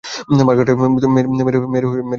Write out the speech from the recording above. Margaret ক্যাহিলকে মেরে শান্তি পাওনি?